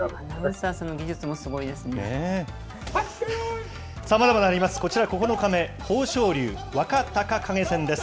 さあ、まだまだあります、こちら９日目、豊昇龍・若隆景戦です。